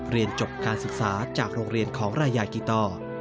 เรียนจบการศึกษาจากโรงเรียนของรายยากีตอ